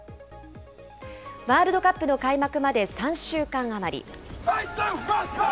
ワールドカップの開幕まで３週間余り。